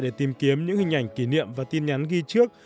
để tìm kiếm những hình ảnh kỷ niệm và tin nhắn ghi trước